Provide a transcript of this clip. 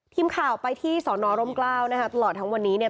ทีมข่าวไปที่สอนอร่มกล้าวนะคะตลอดทั้งวันนี้เนี่ย